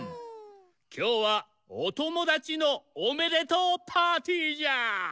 きょうはおともだちのおめでとうパーティーじゃ！